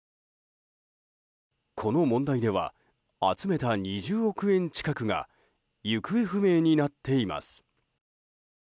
この問題では集めた２０億円近くが行方不明になっています。